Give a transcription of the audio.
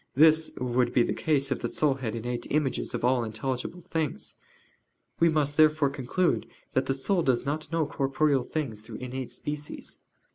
This would not be the case if the soul had innate images of all intelligible things. We must therefore conclude that the soul does not know corporeal things through innate species.